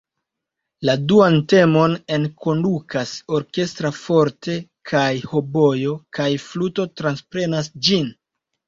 La duan temon enkondukas orkestra "forte", kaj hobojo kaj fluto transprenas ĝin.